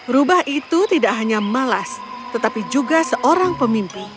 rubah itu tidak hanya malas tetapi juga seorang pemimpin